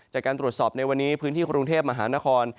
จากการตรวจสอบในวันนี้พื้นที่กรุงเทพมหานคร